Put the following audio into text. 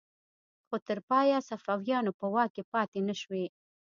خو تر پایه صفویانو په واک کې پاتې نشوې.